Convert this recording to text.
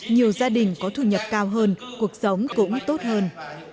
nhiều gia đình có thu nhập cao hơn cuộc sống cũng tốt hơn